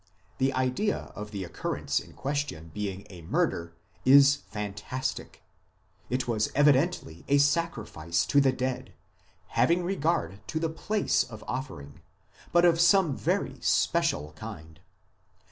The idea of the occurrence in question being a murder is fantastic ; it was evidently a sacrifice to the dead, having regard to the place of offering, but of some very special kind.